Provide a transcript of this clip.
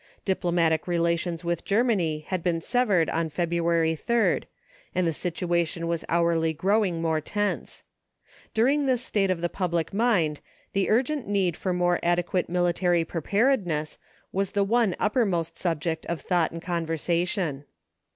Diplomatic relations with Germany had been severed on February 3rd, and the situation was hourly growing more tense. During this state of the public mind the urgent need for more adequate military preparedness was the one uppermost subject of thought and conversation.